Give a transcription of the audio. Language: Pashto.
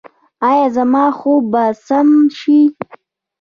ایا زما خوب به سم شي؟